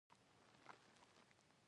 مړه ته د بښنې دعا ښایسته ده